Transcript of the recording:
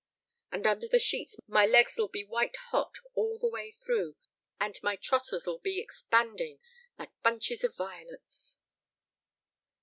And under the sheets my legs'll be white hot all the way through, and my trotters'll be expanding like bunches of violets."